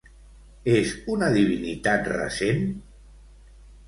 És una divinitat recent?